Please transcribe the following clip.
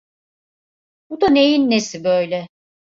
Bu da neyin nesi böyle?